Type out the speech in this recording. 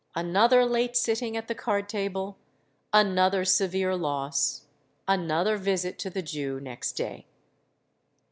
Another late sitting at the card table—another severe loss—another visit to the Jew next day!